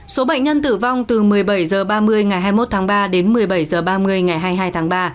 số bệnh nhân tử vong từ một mươi bảy h ba mươi ngày hai mươi một tháng ba đến một mươi bảy h ba mươi ngày hai mươi hai tháng ba